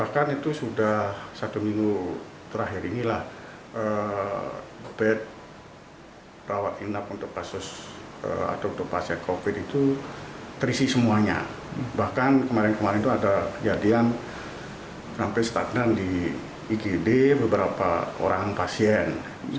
kejadian sampai stagnan di ugd beberapa orang pasien